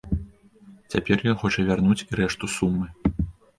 Цяпер ён хоча вярнуць і рэшту сумы.